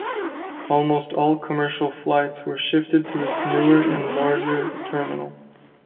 Almost all commercial flights were shifted to this newer and larger terminal.